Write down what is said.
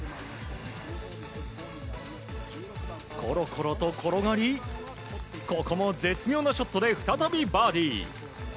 ころころと転がりここも絶妙なショットで再びバーディー。